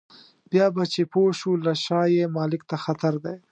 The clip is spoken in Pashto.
بیا به چې پوه شو له شا یې مالک ته خطر دی.